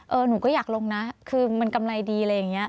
หนูก็อยากลงนะคือมันกำไรดีอะไรอย่างนี้